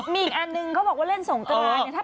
มีอีกอันหนึ่งเขาบอกว่าเล่นสงตรา